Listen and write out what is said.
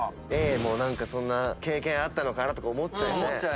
Ａもそんな経験あったのかなとか思っちゃうよね。